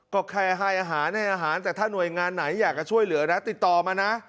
ก็แค่ให้อาหารให้อาหารแต่ถ้าหน่วยงานไหนอยากจะช่วยเหลือนะติดต่อมานะ